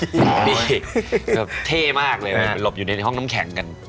นี่แบบเท่มากเลยนะหลบอยู่ในห้องน้ำแข็งกัน